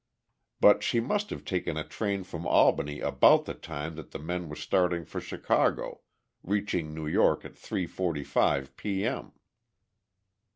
But she must have taken a train from Albany about the time that the men were starting for Chicago, reaching New York at 3:45 p. m.